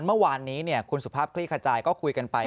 เมื่อวานนี้คุณสุภาพคลี่ขจายก็คุยกันไป